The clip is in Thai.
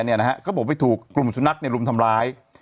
เขาบอกไปถูกกลุ่มสุนัขในรุมทำร้าย